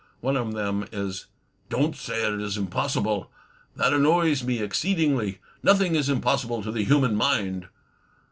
One of them is, " Don't say it is impossible! that annoys me exceedingly! Nothing is impossible to the human mind!"